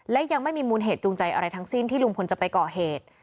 และยังไม่มีมูลเหตุจูงใจอะไรทั้งสิ้นที่ลุงพลจะไปก่อเหตุ